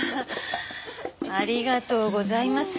ありがとうございます。